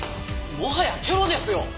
もはやテロですよ！